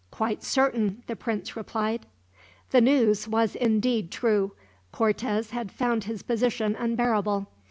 "Quite certain," the prince replied. The news was indeed true. Cortez had found his position unbearable.